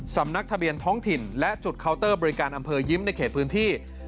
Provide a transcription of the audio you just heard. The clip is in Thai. สำนักทะเบียนท้องถิ่นและจุดเคาน์เตอร์บริการอำเภอยิ้มในเขตพื้นที่